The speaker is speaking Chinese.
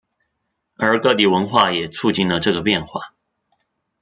而各地文化也促进了这个变化。